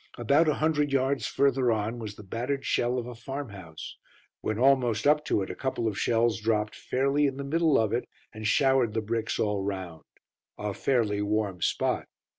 About a hundred yards further on was the battered shell of a farm house. When almost up to it a couple of shells dropped fairly in the middle of it and showered the bricks all round. A fairly warm spot!